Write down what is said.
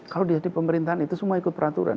kalau dia di pemerintahan itu semua ikut peraturan